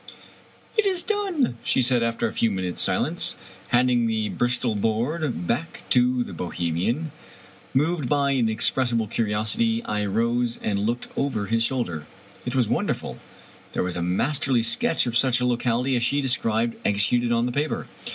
" It is done !" she said, after a few minutes* silence, handing the Bristol board back to the Bohemian. Moved by an inexpressible curiosity, I rose and looked over his shoulder. It was wonderful ! There was a masterly sketch of such a locality as she described executed on the paper.